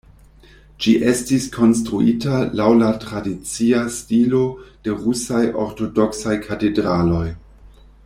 Ĝi estis konstruita laŭ la tradicia stilo de rusaj ortodoksaj katedraloj.